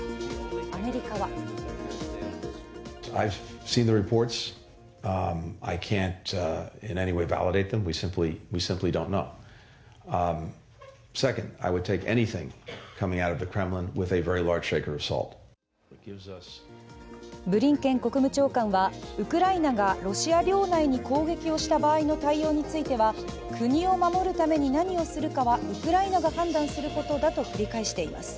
アメリカはブリンケン国務長官はウクライナがロシア領内に攻撃をした場合の対応については国を守るために何をするかはウクライナが判断することだと繰り返しています。